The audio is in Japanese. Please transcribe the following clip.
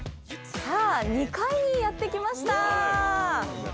さあ２階にやって来ました。